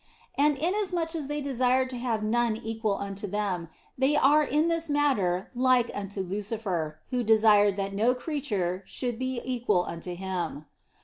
And inasmuch as they desire to have none equal unto them, they are in this matter like unto Lucifer, who desired that no creature should be equal unto him.